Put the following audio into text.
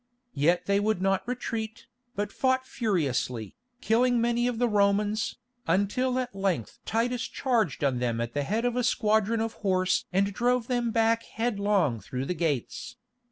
Yet they would not retreat, but fought furiously, killing many of the Romans, until at length Titus charged on them at the head of a squadron of horse and drove them back headlong through the gates.